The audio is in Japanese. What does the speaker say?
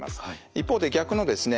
一方で逆のですね